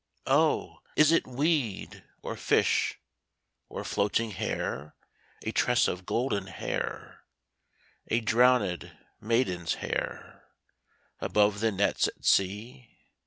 'Oh! is it weed, or fish, or floating hair A tress of golden hair, A drowned maiden's hair Above the nets at sea?